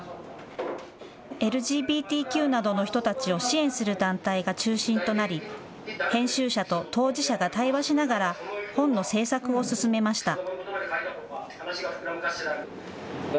ＬＧＢＴＱなどの人たちを支援する団体が中心となり編集者と当事者が対話しながら本の制作を進めました。